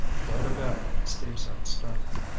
"Go to bed," Steve said sternly.